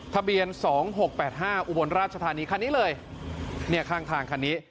ทะเบียน๒๖๘๕อุบลราชธานีคันนี้เลยเนี่ยข้างทางคันนี้